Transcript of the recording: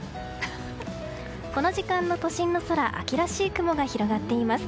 この時間の都心の空秋らしい雲が広がっています。